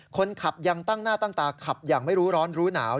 คนขับยังตั้งหน้าตั้งตาขับอย่างไม่รู้ร้อนรู้หนาว